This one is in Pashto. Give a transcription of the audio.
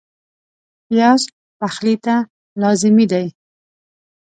پیاز پخلي ته لازمي دی